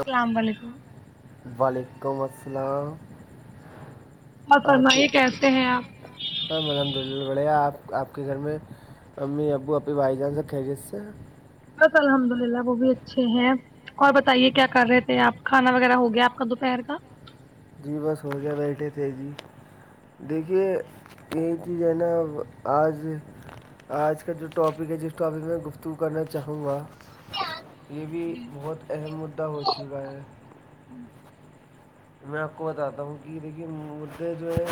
السلام علیکم وعلیکم السلام آپ کے ہاں الحمد للہ بڑھےیا آپ آپ کے گھر میں امی ابو اپنی بھائی جان سے خیریت سے بس الحمد للہ وہ بھی اچھے ہیں اور بتائیے کیا کر رہے تھے آپ کھانا وغیرہ ہو گیا آپ کا دوپہر کا جی بس ہو جا بیٹھے تھے جی دیکھیے یہی چیز ہے نا آج آج کا جو ٹاپک ہے جس ٹاپک میں گفتگو کرنا چاہوں گا یہ بھی بہت اہم مدعا ہو چکا ہے میں آپ کو بتاتا ہوں کہ دیکھیے مدے جو ہے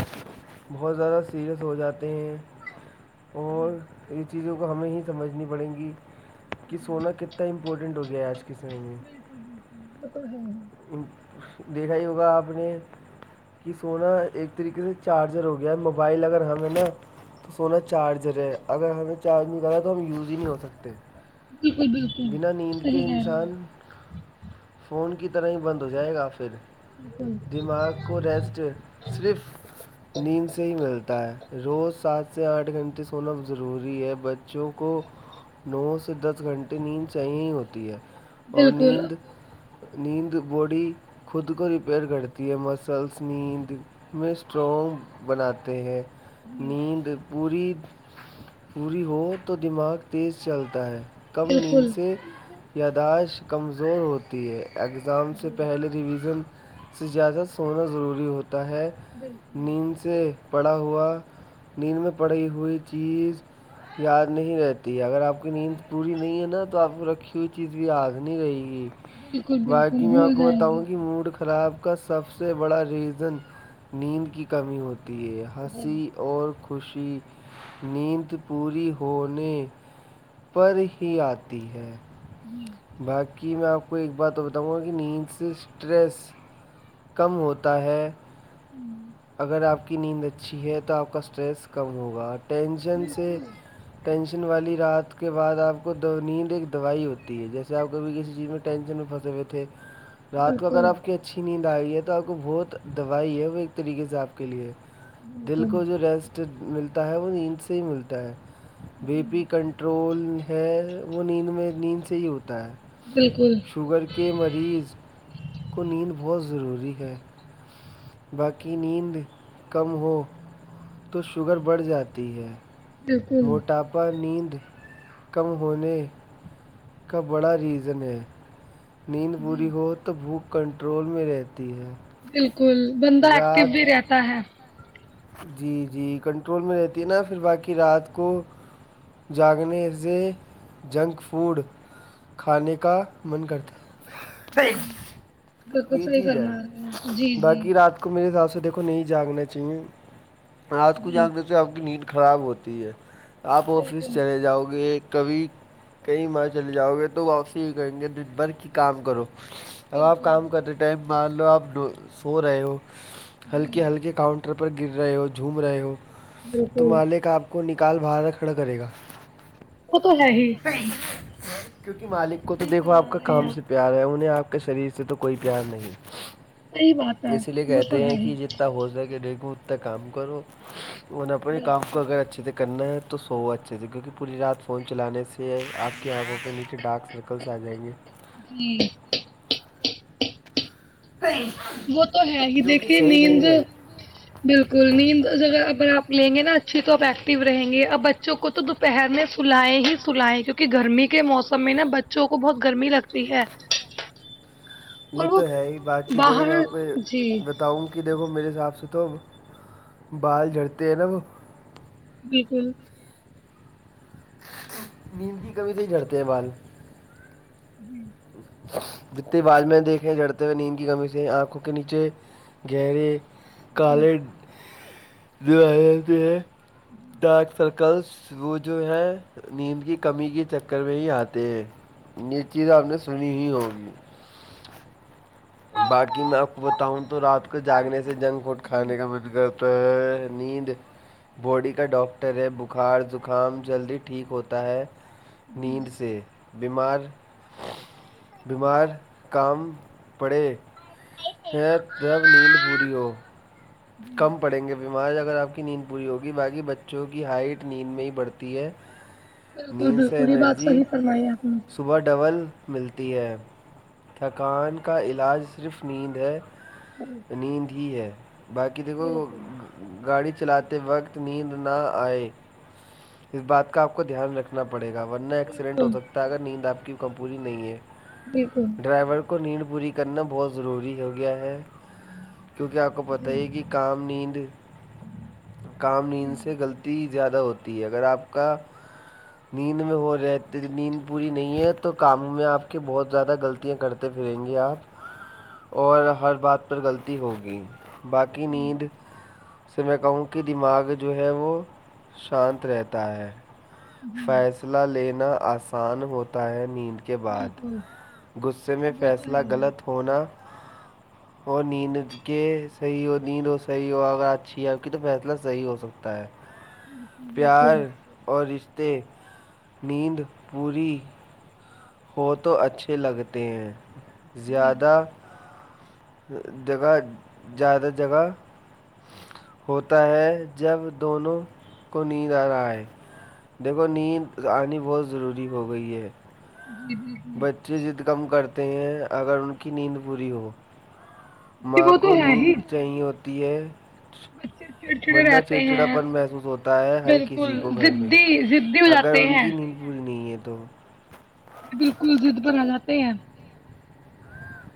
بہت زیادہ سیریئس ہو جاتے ہیں اور یہ چیزوں کو ہمیں ہی سمجھنی پڑیں گی کہ سونا کتنا اتنا امپورٹنٹ ہو گیا آج کے سمے میں بال بالک وہ تو ہے ن [unintelligible] دیکھا ہی ہوگا آپ نے کہ سونا ایک طریقے سے چارجر ہو گیا ہے موبائل اگر ہمیں نا تو سونا چارجر ہے اگر ہمیں چارج نکالا تو ہم یوز ہی نہیں ہو سکتے بالکل بالکل بنا نیند کے انسان فون کی طرح ہی بند ہو جائے گا پھر دماغ کو ریسٹ صرف نیند سے ہی ملتا ہے روز سات سے آٹھ گھنٹے سونا ضروری ہے بچ بچوں کو نو سے دس گھنٹے نیند چاہیے ہی ہوتی ہے اور نیند نیند باڈی خود کو ریپیئر کرتی ہے مسلس نیند میں اسٹرانگ بناتے ہیں نیند پوری پوری ہو تو دماغ تیز چلتا ہے کم نیند سے یاداشت کمزور ہوتی ہے ا دام سے پہلے ریویژن سے زیادہ سونا ضروری ہوتا ہے نیند سے پڑا ہوا نیند میں پڑی ہوئی چیز یاد نہیں رہتی ہے اگر آپ کی نیند پوری نہیں ہے نا تو آپ کو رکھی ہوئی چیز بھی آگ نہیں رہے گی باقی میں آپ کو بتاؤں کہ موڈ خراب کا سب سے بڑا ریزن نیند کی کمی ہوتی ہے ہنسی اور خوشی نیند پوری ہونے پر ہی آتی ہے [unintelligible] جی باقی میں آپ کو ایک بات تو بتاؤں گا کہ نیند سے اسٹریس کم ہوتا ہے اگر آپ کی نیند اچھی ہے تو آپ کا اسٹریس کم ہوگا ٹینشن سے ٹینشن والی رات کے بعد آپ کو نیند ایک دوائی ہوتی ہے جیسے ج آپ کبھی کسی چیز میں ٹینشن میں پھنسے ہوئے تھے رات کو اگر آپ کہ [unintelligible] اچھی نیند آئی ہے تو آپ کو بہت دوائی ہے وہ ایک طریقے سے آپ کے لیے ہے دل کو جو ریسٹ ملتا ہے وہ نیند سے ہی ملتا ہے بی پی کنٹر ٹرول ہے وہ نیند میں نیند سے ہی ہوتا ہے بالکل شوگر کے مریض کو نیند بہت ضروری ہے باقی نیند کم ہو تو شوگر بڑھ جاتی ہے موٹاپا نیند کم ہونے کا بڑا ریزن ہے نیند پوری ہو تو بھوک کنٹرول میں رہتی ہے بالکل بند ایکٹو بھی رہتا ہے جی جی کنٹرول میں رہتی ہے نا پھر باقی رات کو جاگنے سےے جنک فوڈ [unintelligible] کھانے کا من کرتا یہ چیز ہے باقی رات کو میرے حساب سے دیکو نہیں جاگنا چاہیے رات کو جاانگنے سے آپ کی نیند خراب ہوتی ہے آپ آفس چلے جاؤ گے کبھی کئی ماہ چلے جاؤ گے تو وپسی یہ کریں گے د بھر کی کام کرو اب آپ کام کر رہے ٹائم بان لو آپ سو رہے ہو ہلکے ہلکے کاؤنٹ پر گر رہے ہو جھوم رہے ہو تو مالے کا آپ کو نکال باہر کھڑا کرے گا [unintelligible] ا تو ہے ہی [unintelligible] کیونکہ مالک کو تو دیکھو آپ کا کام سے پیار ہے انہیں آپ کے شریر سے تو کوئی پیار نہیں اسی لیے کہتے ہیں کہ جتنے ا ہو سک دیکھوں انا کام کروں انن اپنے کام کو اگر اچھی ط ک تو سو اچے تھ کیونکہ پوری رات [unintelligible] فون چلانے سے آپ کے آنکھوں پہ نیچے ڈارک سرکلس آ جائیں گے جی [unintelligible] کوئی [unintelligible] وہ تو ہے ہی دیکھیے نیند بالکل نیند اگر آپ لیں گے نا اچھی تو آپ ایکٹیو رہیں گے اب بچوں کو تو دوپہر میں سلیں ہی سلائے کیوںکہ گرمی کے موسم میں نا بچوں کو بہت گرمی لگتی ہے یہ تو ہے ہی بات چی د ہے پہ [unintelligible] بتاؤں کہ دیکھو میرے حساب سے تو بال جھڑتے ہیں نا وہ بالکل نیمتی کمی نہیں جڑتے ہے بال جی [inaudible] جتنے بااز میں دیکھے ہیں جڑتے ہوئے نیند کی کمی سے آنکھوں کے نیچے گہرے کالے دوائےیں پ ہیں ڈارک سرکلس وہ جو ہے نیند کی کمی کے چکر میں ہی آتے ہیں یہ چیزیں ہم نے سنی ہی ہوں گی باقی میں آپ کو بتاؤں تو رات کو جاگنے سے جنک فوڈ کھانے کا مد کرتا ہے نیند باڈی کا ڈاکٹر ہے بخار زکام جلدی ٹھیک ہوتا ہے نیند سے بیمار بیمار کام [unintelligible] پڑے ہیں تب نیند پوری ہو [unintelligible] کم پڑیں گے بیمار اگر آپ کی نیند پوری ہوگی باقی بچوں کی ہائٹ نیند میں ہی بڑھتی ہے ہ [inaudible] بالکل بالکل یہ بات صحی فرمائی ہے آپ نے صبح ڈبل ملتی ہے تھکان کا علاج صرف نیند ہے نیند ہی ہے باقی دیکھو گاڑی چلاتے وقت نیند نہ آئے اس بات کا آپ کو دھیان رکھنا پڑے گا ورنہ ایکسیڈنٹ ہو سکتا ہے اگر نیند آپ کی کمپوری نہیں ہے جالکل [unintelligible] ڈرائیور کو نیند پوری کرنا بہت ضروری ہو گیا ہے کیونکہ آپ کو پتہ ہی ہے کہ کام نیند کام نیند سے غلط زیادہ ہوتی ہے اگر آپ کا نیند میں ہو رہ نیند پوری نہیں ہے تو کاموں میں آپ کے بہت زیادہ غلطیاں کرتے پھریں گے آپ اور ہر بات پر غلطی ہوگی باقی نیند [unintelligible] اس سے میں کہوں کہ دماغ جو ہے وہ شانت رہتا ہے فیصلہ لینا آسان ہوتا ہے نیند کے بعد غصے میں فیصلہ غلط ہو ہونا اور نیند کے صحیح ہو نیند ہو صیح ہو اگر اچھی آپ کی تو فیصلہ صحیح ہوکتا ہے پیار اور ر [unintelligible] تو نیند پوری [unintelligible] ہو تو اچھے لگتے ہیں زیادہ جگہ زیادہ جگہ [unintelligible] ہوتا ہے جب دونوں کو نیند آ رہا ہے دیکھو نیند آنی بہت ضروری ہو گئی ہے جی جی بچی د کم کرتے ہیں اگر ان کی نیند پوری ہو ماں کو نیند صاہی ہوتی ہے مرنا چڑچڑا پرن محسوس ہوتا ہے ہر کسی کو گھر میں اگر ان کی ن بولھ نہیں ہے تو یہ بالکل ضد بن آ جے ہیں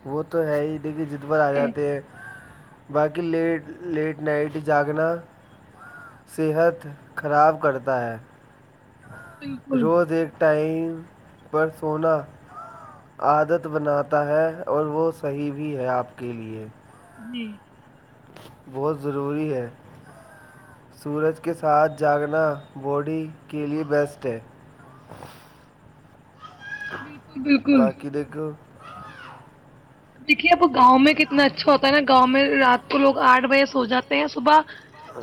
وہ تو ہے ہی لیکن جد پر آ جاتے ہیں باقی لیٹ لیٹ نائٹ جاگنا صحت خراب کرتا ہے روز ایک ٹائم پر سونا عادت بناتا ہے اور وہ صحیح بھی ہے آپ کے لیے جی بہت ضروری ہے سورج کے ساتھ جاگنا باڈی کے لئے بیسٹ ہے بالکل بالکل کہ دگ دیکھیے اب گاؤں میں کتنا اچھا ہوتا ہے نا گاؤں میں رات کو لوگ آٹھ بجے سو جاتے ہیں صبح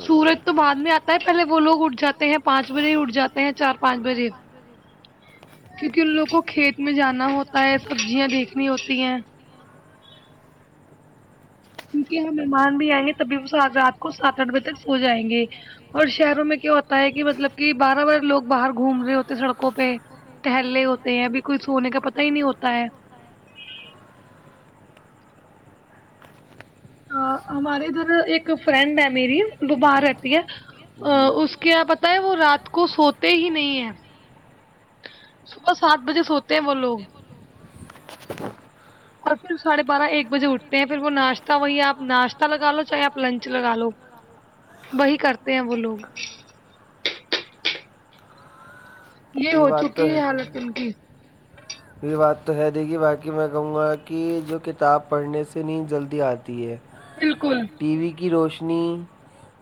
سورج تو بعد میں آتا ہے پہلے وہ لوگ اٹھ جاتے ہیں پانچ بجے ہی اٹھ جاتے ہیں چار پانچ بجے کیونکہ ان لوگوں کو کھیت میں جانا ہوتا ہے سبزیاں دیکھنی ہوتی ہیں کیونکہ یہ مہمان بھی آئیں گے تبھی وہ آج رات کو سات آٹ بجے تک سو جائیں گے اور شہروں میں کیا ہوتا ہے کہ مطلب کہ بارہ بار لوگ باہر گھوم رہے ہوتے سڑکوں پہ ٹہلے ہوتے ہیں ابھی کوئی سونے کا پتا ہی نہیں ہوتا ہے ہاں ہمارے ادھر ایک فرینڈ ہے میری دو باہر رہتی ہے جی کیا پت ہے وہ رات کو سوتے ہی نہیں ہے صبح سات بجے سوتے ہیں وہ لوگ اور پھر ساڑھے بارہ ایک بجے اٹھتے ہیں پھر وہ ناشتہ وہی آپ ناشتہگا لو چاہے آپ لنچ لگا لو ا وہی کرتے ہیں وہ لوگ یہ ہو چکی ہے حالت ان کی یہ بات تو ہے دیک گی باقی میں کہوں گا کہ جو کتاب پڑھنے سے ن جلدی آتی ہے بالکل ٹی وی کی روشنی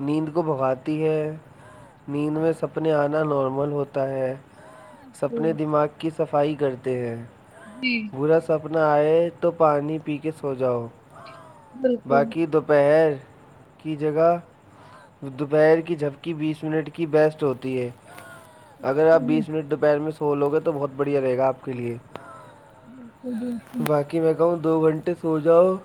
نیند کو بھگاتی ہے نیند میں سپنے آنا نارمل ہوتا ہے سپنے دماغ کی صفائی کرتے ہیں جی برا سپنا آئے تو پانی پی کے سو جاؤ باقی دوپہر کی جگہ دوپہر کی جھپکی بیس منٹ کی بیسٹ ہوتی ہے اگر آپ بیس منٹ دوپہر میں سو لو گے تو بہت بڑھیا رہے گا آپ کے لیے بالکل بالکل کہ میں کہوں دو گھنٹے سو جاؤ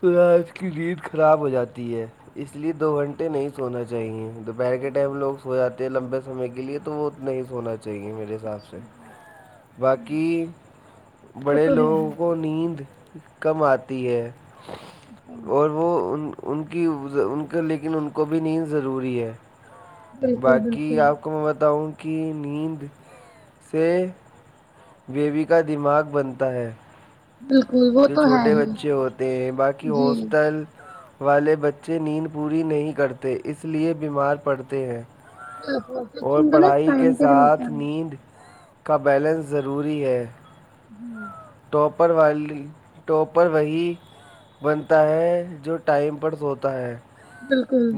صح اس کی گٹ خراب ہو جاتی ہے اس لیے دو گھنٹے نہیں سونا چاہیے پر کے ٹائم لوگ سو جاتے ہیں لمبے سمے کے لیے تو وہ اتنے ہی سونا چاہیے میرے حساب سے [inaudible] باقی بڑے لوگوں کو نیند کم آتی ہے اور وہ ان ان کی ان کا لیکن ان کو بھی نیند ضروری ہے باقی آپ کو میں بتاؤں کہ نیند سے بیوی کا دماغ بنتا ہے بالکل جو چھوٹے بچے ہوتے ہیں باقی ہاسٹل والے بچے نیند پوری نہیں کرتے اس لیے بیمار پڑتے ہیں اور پڑھائی کے ساتھ نیند کا بیلنس ضروری ہے [inaudible] [unintelligible] ٹاپر وہی بنتا ہے جو ٹائم پر سوتا ہے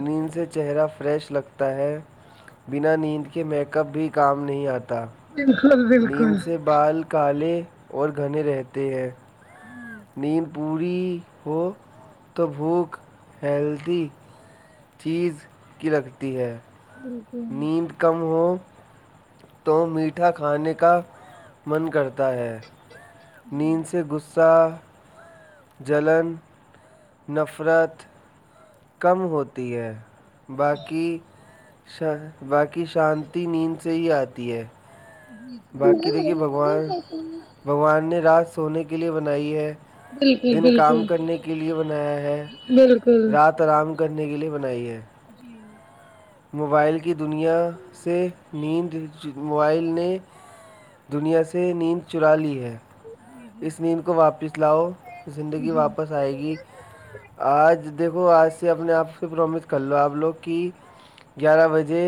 نیند سے چہرہ فریش لگتا ہے ت ہے بنا نیند کے میک اپ بھی کام نہیں آتا [inaudible] نیند سے بال کالے اور گھنے رہتے ہیں نیم پوری ہو تو بھوک ہیلدی چیز کی لگتی ہے [inaudible] نیند کم ہو تو میٹھا کھانے کا من کرتا ہے نیند سے غصہ جلن نفرت کم ہوتی ہے باقی شا باقی شانتی نیند سے ہی آتی ہے [inaudible] بھگوان نے رات سونے کے لیے بنائی ہے دن کام کرنے کے لیے بنایا ہے بالکل رات آرام کرنے کے لیے بنائی ہے [inaudible] موبائل کی دنیا سے نیند موبائل نے دنیا سے نیند چرالی ہے اس نیند کو واپس لاؤ زندگی واپس آئے گی آج دیکھو آج سے اپنے آپ سے پرومس کر لو آپ لوگ کی گیارہ بجے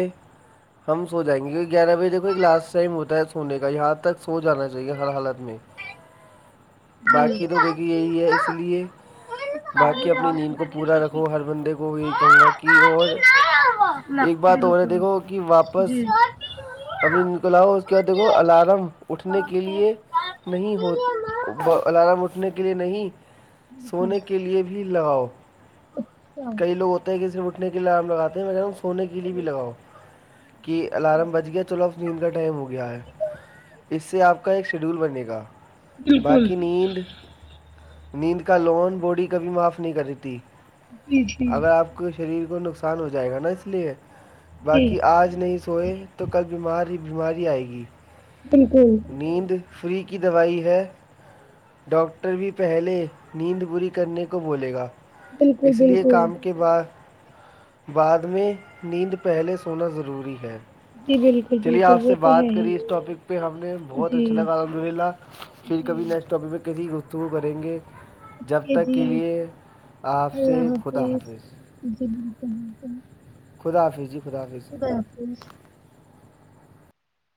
ہم سو جائیں گے کیکہ گیارہ بجے دیکھو ایک لاسٹ ٹائم ہوتا ہے سونے کا یہاں تک سو جانا چاہیے ہر حالت میں باقی تو دیکھیے یہی ہے اس لیے باقی اپنی نیند کو پورا رکھو ہر بندے کو یہی کہوں گا کہ اور ایک بات ہو ہے دیکھو کہ واپس اپنی ن کو لؤ اس کے بعد دیکھو الارم اٹھنے کے لیے نہیں ہو الارم اٹھنے کے لیے نہیں سونے کے لیے بھی لگاؤ کئی لوگ ہوتے ہیں کہسیرف اٹنے کے لیے آرام لگاتے ہیں میں ن ہونے کے لئے بھی لگاؤ کہ الارم بچ گیا تو لف نیند کا ٹائم ہو گیا ہے اس سے آپ کا ایک شیڈول بنے گا باقی نیند نیند کا لون بوڈی کبھی معاف نہیں کر رہی ت اگر آپ کے شریر کو نقصان ہو جائے گا نا اس لیے باقی آج نہیں اس سوئے تو کل بیمار ہی بیماری ہی آئے گی بالکل نیند فری کی دوائی ہے ڈاکٹر بھی پہلے نیند پوری کرنے کو بولے گا اس لیے کام بعد میں نیند پہلے سونا ضروری ہے چلیے آپ سے بات کری اس ٹاپک پہ ہم نے بہت اچھا لگا الحمد للہ پھر کبھی نیکسٹ ٹاپک پہ کسی گفتگو کریں گے جب تک کے لیے آپ سے خدا حافظ خدا حافظ جی خدا حافظ [unintelligible]